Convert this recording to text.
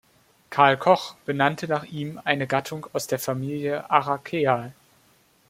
Karl Koch benannte nach ihm eine Gattung aus der Familie Araceae.